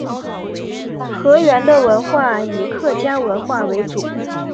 河源的文化以客家文化为主。